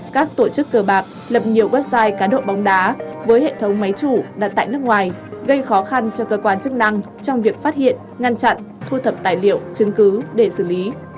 các tổ chức cờ bạc lập nhiều website cá độ bóng đá với hệ thống máy chủ đặt tại nước ngoài gây khó khăn cho cơ quan chức năng trong việc phát hiện ngăn chặn thu thập tài liệu chứng cứ để xử lý